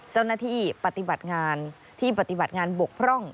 เจ้าหน้าที่ปฏิบัติงานที่ปฏิบัติงานบกพร่อง